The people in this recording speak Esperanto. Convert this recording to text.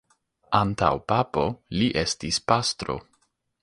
Antaŭ papo, li estis pastro.